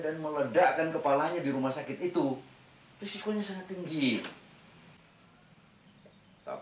aku tidak kebetulan untuk mencari dia